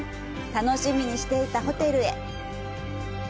楽しみにしていたホテルへ。